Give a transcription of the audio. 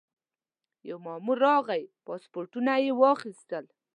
یو مامور راغی پاسپورټونه یې واخیستل.